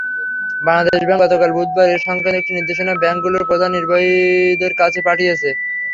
Bangladesh bank গতকাল বুধবার এ–সংক্রান্ত একটি নির্দেশনা ব্যাংকগুলোর প্রধান নির্বাহীদের কাছে পাঠিয়েছে।